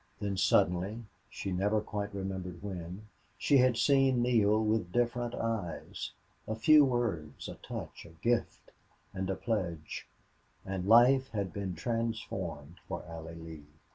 Then suddenly, she never quite remembered when, she had seen Neale with different eyes. A few words, a touch, a gift, and a pledge and life had been transformed for Allie Lee.